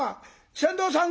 船頭さん